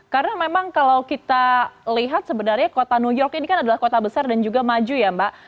karena memang kalau kita lihat sebenarnya kota new york ini kan adalah kota besar dan juga maju ya mbak